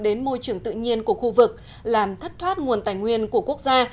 đến môi trường tự nhiên của khu vực làm thất thoát nguồn tài nguyên của quốc gia